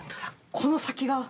この先が。